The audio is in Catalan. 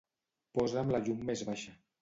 Posa'm la llum més baixa.